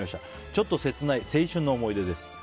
ちょっと切ない青春の思い出です。